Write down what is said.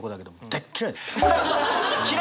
大っ嫌い！